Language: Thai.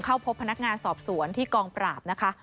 เข้าพบพนักงานสอบสวนที่กองปราบนะคะ